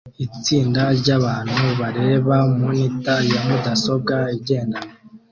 itsinda ryabantu bareba monitor ya mudasobwa igendanwa